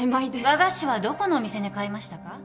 和菓子はどこのお店で買いましたか？